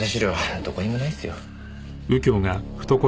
どこにもないっすよ。